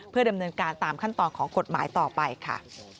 เพื่อดำเนินการตามขั้นตอนของกฎหมายต่อไปค่ะ